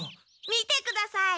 見てください。